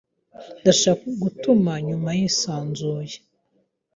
Ndashaka gutuma yumva yisanzuye.